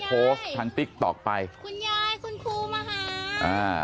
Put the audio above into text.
คุณยายคุณครูมาหา